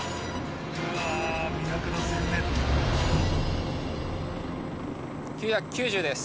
うわ魅惑の１０００ｍ９９０です